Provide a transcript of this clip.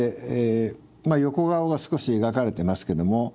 まあ横顔が少し描かれてますけども。